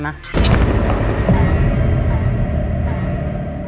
พลังงาน